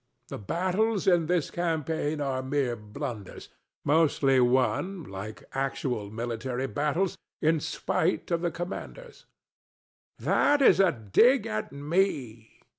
The battles in this campaign are mere blunders, mostly won, like actual military battles, in spite of the commanders. THE STATUE. That is a dig at me.